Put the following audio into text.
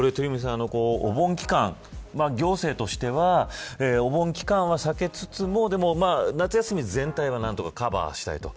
お盆期間、行政としてはお盆期間は避けつつも夏休み全体は何とかカバーしたいと。